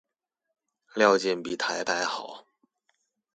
料件比台牌好